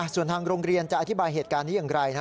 ส่วนทางโรงเรียนจะอธิบายเหตุการณ์นี้อย่างไร